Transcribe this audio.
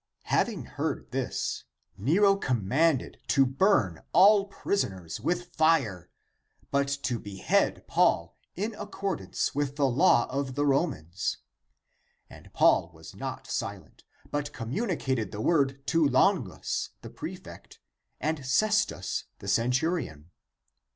Having heard this, Nero commanded to burn all prisoners with fire, but to behead Paul in accordance with the law of the Romans. And Paul was not silent, but communicated the word to Longus the 1 Following the Latin. 46 THE APOCRYPHAL ACTS prefect and Cestus the centurion.